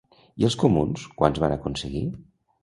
I els comuns quants van aconseguir?